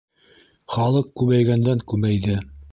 Халыҡ күбәйгәндән-күбәйҙе.